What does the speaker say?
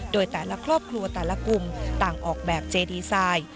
โดยแต่ละครอบครัวแต่ละกลุ่มต่างออกแบบเจดีไซน์